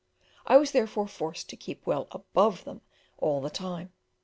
I was therefore forced to keep well above them all the time.